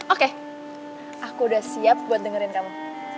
oke aku udah siap buat dengerin kamu